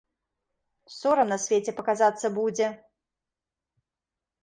Сорам на свет паказацца будзе!